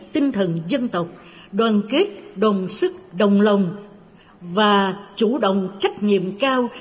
tinh thần dân tộc đoàn kết đồng sức đồng lòng và chủ động trách nhiệm cao